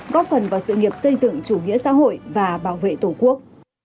góp phần vào sự nghiệp xây dựng chủ nghĩa xã hội và bảo vệ tổ quốc